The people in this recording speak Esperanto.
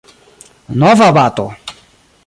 Nova bato.